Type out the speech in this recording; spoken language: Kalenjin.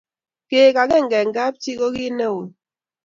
koek akenge eng kap chi ko kit ne ui